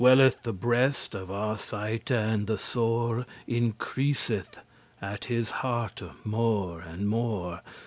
Swelleth the breast of Arcite and the sore Increaseth at his hearte more and more.